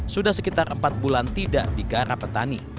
sudah sekitar empat bulan tidak digarap petani